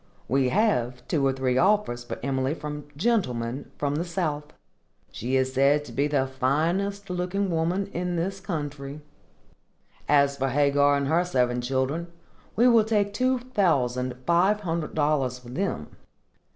We have two or three offers for Emily from gentlemen from the south. She is said to be the finest looking woman in this country. As for Hagar and her seven children, we will take two thousand five hundred dollars for them.